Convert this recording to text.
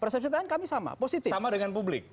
persepsi tkn kami sama positif sama dengan publik